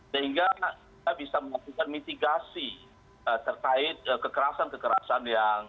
sehingga kita bisa melakukan mitigasi terkait kekerasan kekerasan yang